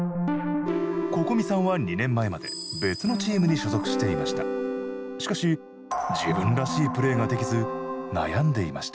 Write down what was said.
心海さんは２年前まで別のチームに所属していました。